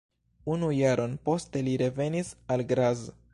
Unu jaron poste li revenis al Graz.